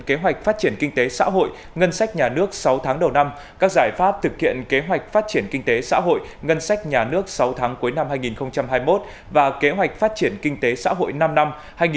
kế hoạch phát triển kinh tế xã hội ngân sách nhà nước sáu tháng đầu năm các giải pháp thực hiện kế hoạch phát triển kinh tế xã hội ngân sách nhà nước sáu tháng cuối năm hai nghìn hai mươi một và kế hoạch phát triển kinh tế xã hội năm năm hai nghìn hai mươi một hai nghìn ba mươi